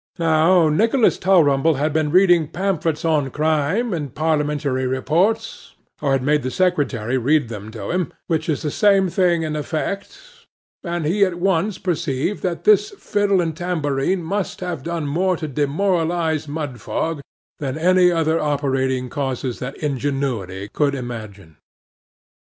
Now Nicholas Tulrumble had been reading pamphlets on crime, and parliamentary reports,—or had made the secretary read them to him, which is the same thing in effect,—and he at once perceived that this fiddle and tambourine must have done more to demoralize Mudfog, than any other operating causes that ingenuity could imagine.